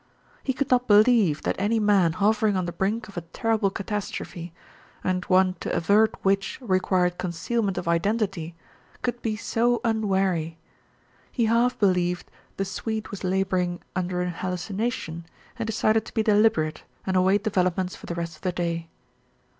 He could not believe that any man hovering on the brink of a terrible catastrophe, and one to avert which required concealment of identity, could be so unwary. He half believed the Swede was laboring under an hallucination, and decided to be deliberate, and await developments for the rest of the day.